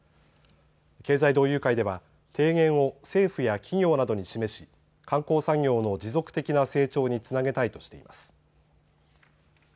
経済同友会では提言を政府や企業などに示し、観光産業の持続的な成長につなげたいとしています。